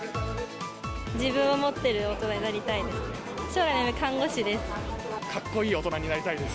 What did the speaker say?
自分を持ってる大人になりたいです。